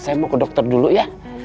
saya mau ke dokter dulu ya